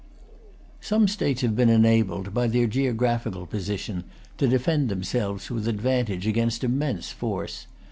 Some states have been enabled, by their geographical position, to defend themselves with advantage against immense force.